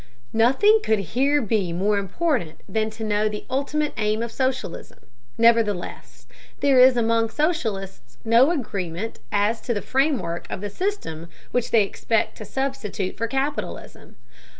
Nothing could here be more important than to know the ultimate aim of socialism, nevertheless, there is among socialists no agreement as to the framework of the system which they expect to substitute for capitalism.